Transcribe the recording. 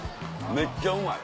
めっちゃうまい。